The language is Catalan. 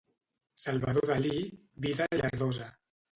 Salvador Dalí, "vida llardosa".